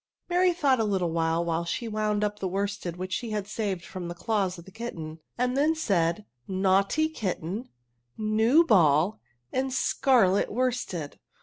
Mary thought a little while she wound up the worsted which she had saved from the claws of the kitten, and then said, ^^ Naughty kitten, new ball, and scarlet worsted.